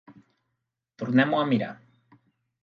Tornem-ho a mirar.